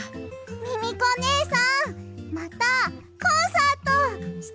ミミコねえさんまたコンサートしてほしいな。